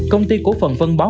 công ty cổ phần phân bón